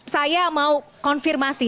saya mau konfirmasi